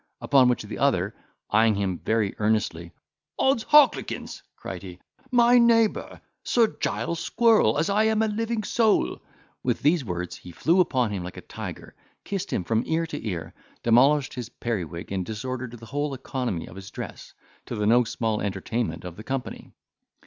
Upon which, the other eyeing him very earnestly, "Odds heartlikins!" cried he, "my neighbour, Sir Giles Squirrel, as I am a living soul!" With these words he flew upon him like a tiger, kissed him from ear to ear, demolished his periwig, and disordered the whole economy of his dress, to the no small entertainment of the company.